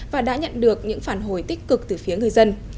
và đã nhận được những phản hồi tích cực từ phía người dân